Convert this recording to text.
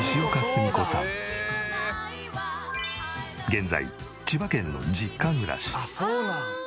現在千葉県の実家暮らし。